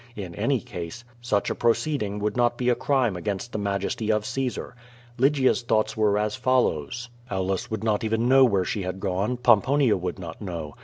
In any case, such a proceeding would not be a crime against the majesty of Caesar. Lygia's thoughts were as follows: "Aulus would not even know where she had gone; Pom ponia would not know.